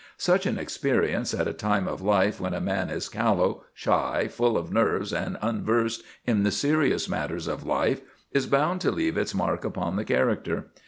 Such an experience at a time of life when a man is callow, shy, full of nerves, and unversed in the serious matters of life is bound to leave its mark upon the character.